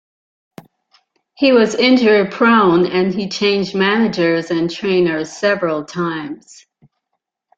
He was injury prone, and he changed managers and trainers several times.